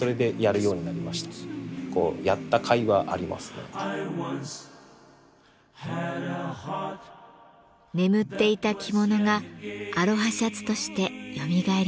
眠っていた着物がアロハシャツとしてよみがえりました。